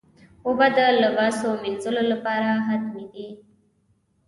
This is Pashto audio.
اوبه د لباسو مینځلو لپاره حتمي دي.